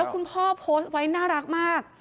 คุณพ่อโพสต์ไว้น่ารักมาก